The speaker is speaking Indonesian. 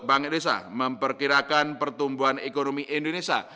bank indonesia memperkirakan pertumbuhan ekonomi indonesia